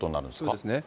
そうですね。